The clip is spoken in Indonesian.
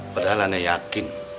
padahal aneh yakin